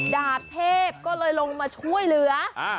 ดาบเทพก็เลยลงมาช่วยเหลือ